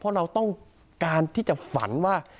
เพราะเราต้องการที่จะฝันว่า